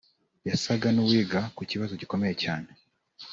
, Yasaga n’uwiga ku kibazo gikomeye cyane